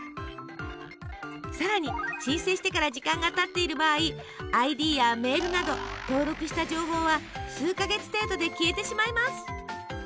更に申請してから時間がたっている場合ＩＤやメールなど登録した情報は数か月程度で消えてしまいます。